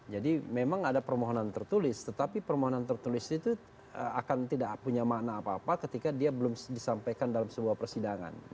jadi memang ada permohonan tertulis tetapi permohonan tertulis itu akan tidak punya makna apa apa ketika dia belum disampaikan dalam sebuah persidangan